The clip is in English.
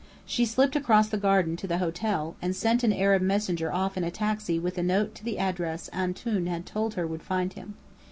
She slipped across the garden to the hotel, and sent an Arab messenger off in a taxi with a note to the address "Antoun" had told her would find him.